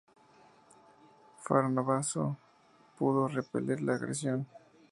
Farnabazo pudo repeler la agresión.